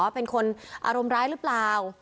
เป็นคนอารมณ์ร้ายหรือเปล่า